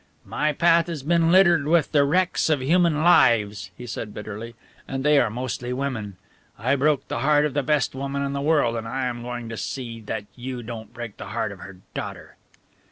"My path has been littered with the wrecks of human lives," he said bitterly, "and they are mostly women. I broke the heart of the best woman in the world, and I am going to see that you don't break the heart of her daughter."